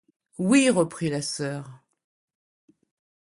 Oui, reprit la soeur.